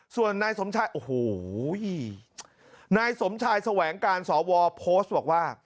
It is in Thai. ส่วนนายสมชายโอ้โหนายสมชายแสวงการสวโพสต์บอกว่า